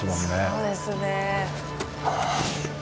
そうですね。